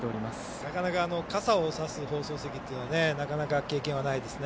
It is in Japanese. なかなか傘を差す放送席というのは経験はないですね。